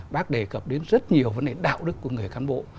bác đề cập đến rất nhiều vấn đề đạo đức của người cán bộ